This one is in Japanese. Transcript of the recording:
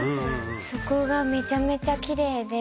そこがめちゃめちゃきれいで。